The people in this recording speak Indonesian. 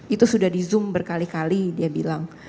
itu sudah di zoom berkali kali dia bilang